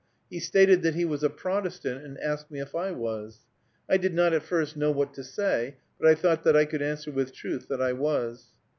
He stated that he was a Protestant, and asked me if I was. I did not at first know what to say, but I thought that I could answer with truth that I was.